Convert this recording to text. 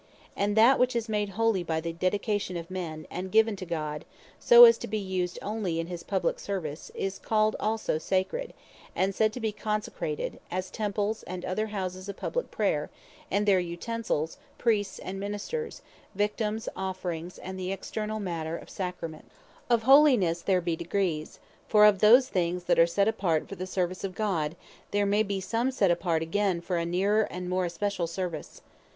And that which is made Holy by the dedication of men, and given to God, so as to be used onely in his publique service, is called also SACRED, and said to be consecrated, as Temples, and other Houses of Publique Prayer, and their Utensils, Priests, and Ministers, Victimes, Offerings, and the externall matter of Sacraments. Degrees of Sanctity Of Holinesse there be degrees: for of those things that are set apart for the service of God, there may bee some set apart again, for a neerer and more especial service.